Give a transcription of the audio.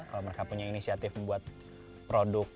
kalau mereka punya inisiatif membuat produk